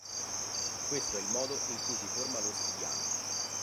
Questo è il modo in cui si forma l'ossidiana.